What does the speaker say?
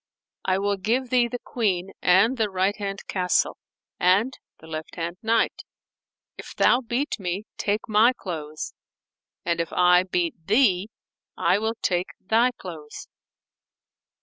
I will give thee the queen and the right hand castle and the left hand knight; if thou beat me, take my clothes, and if I beat thee, I will take thy clothes."